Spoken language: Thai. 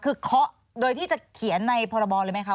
คือเคาะโดยที่จะเขียนในพรบเลยไหมคะ